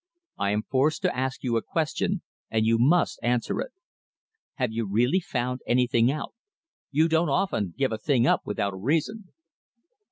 I am forced to ask you a question, and you must answer it. Have you really found anything out? You don't often give a thing up without a reason."